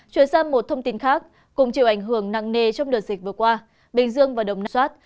chuyển sang một thông tin khác cùng chịu ảnh hưởng nặng nề trong đợt dịch vừa qua bình dương và đồng nai